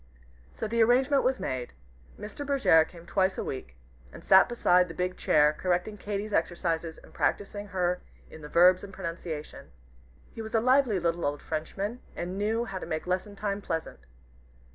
So the arrangement was made. Mr. Bergèr came twice every week, and sat beside the big chair, correcting Katy's exercises and practising her in the verbs and pronunciation. He was a lively little old Frenchman, and knew how to make lesson time pleasant.